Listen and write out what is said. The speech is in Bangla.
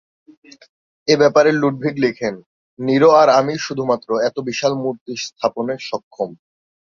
এই ব্যাপারে লুডভিগ লিখেন, "নিরো আর আমিই শুধুমাত্র এত বিশাল মূর্তি স্থাপনে সক্ষম"